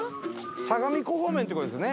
相模湖方面って事ですよね。